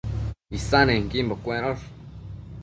Isannequimbo cuensho